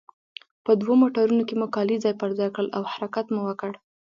په دوو موټرونو کې مو کالي ځای پر ځای کړل او حرکت مو وکړ.